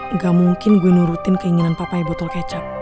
nggak mungkin gue nurutin keinginan papa ibut kecap